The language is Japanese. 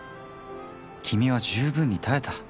君は十分に耐えた。